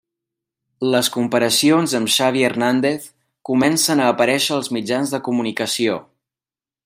Les comparacions amb Xavi Hernández comencen a aparèixer als mitjans de comunicació.